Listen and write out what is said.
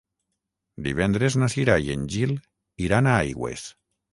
Divendres na Cira i en Gil iran a Aigües.